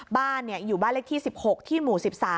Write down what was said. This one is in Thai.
บ้านอยู่บ้านเลขที่๑๖ที่หมู่๑๓